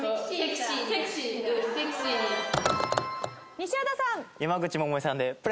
西畑さん。